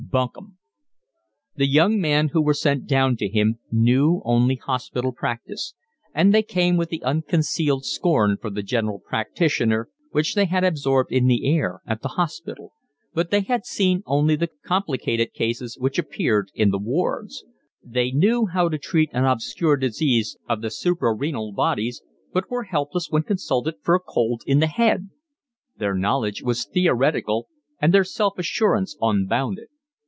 Bunkum!" The young men who were sent down to him knew only hospital practice; and they came with the unconcealed scorn for the General Practitioner which they had absorbed in the air at the hospital; but they had seen only the complicated cases which appeared in the wards; they knew how to treat an obscure disease of the suprarenal bodies, but were helpless when consulted for a cold in the head. Their knowledge was theoretical and their self assurance unbounded.